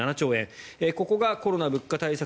ここがコロナ物価対策